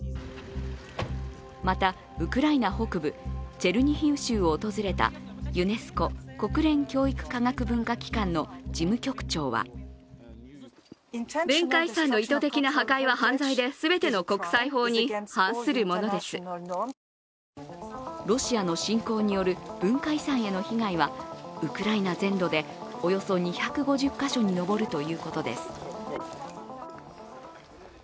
またウクライナ北部チェルニヒウ州を訪れたユネスコ＝国連教育科学文化機関の事務局長はロシアの侵攻による文化遺産への被害はウクライナ全土でおよそ２５０か所に上るということです。